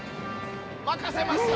任せました。